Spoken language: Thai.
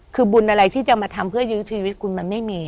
คือบุญอะไรที่จะมาทำเพื่อยื้อชีวิตคุณมันไม่มี